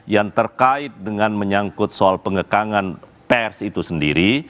yang terkait dengan menyangkut soal pengekangan pers itu sendiri